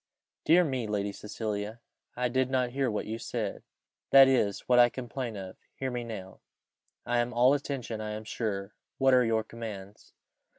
"Dear me, Lady Cecilia! I did not hear what you said." "That is what I complain of hear me now." "I am all attention, I am sure. What are your commands?"